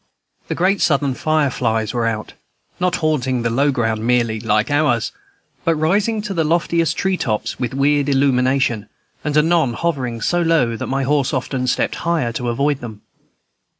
The great Southern fireflies were out, not haunting the low ground merely, like ours, but rising to the loftiest tree tops with weird illumination, and anon hovering so low that my horse often stepped the higher to avoid them.